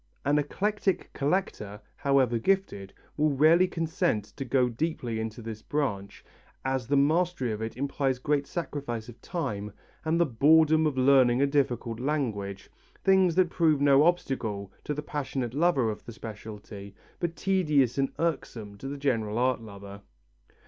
An eclectic collector, however gifted, will rarely consent to go deeply into this branch, as the mastery of it implies great sacrifice of time and the boredom of learning a difficult language, things that prove no obstacle to the passionate lover of the speciality, but tedious and irksome to the general art lover.